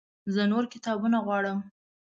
زه نور کتابونه غواړم